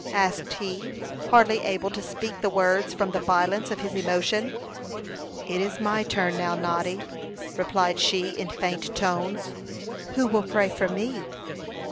asked he, hardly able to speak the words from the violence of his emotion. "It is my turn now, Noddy," replied she, in faint tones. "Who will pray for me?"